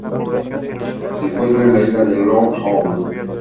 Se encuentra en el Isla de Lord Howe.